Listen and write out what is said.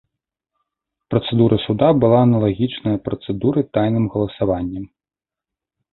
Працэдура суда была аналагічная працэдуры тайным галасаваннем.